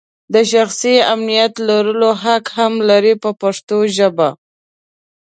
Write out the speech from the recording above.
د شخصي امنیت لرلو حق هم لري په پښتو ژبه.